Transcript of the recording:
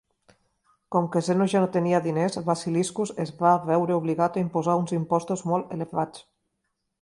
Com que Zeno ja no tenia diners, Basiliscus es va veure obligat a imposar uns impostos molt elevats.